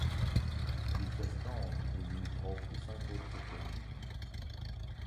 Le Chastang est limitrophe de cinq autres communes.